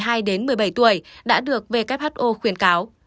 từ một mươi hai đến một mươi bảy tuổi đã được who khuyến cáo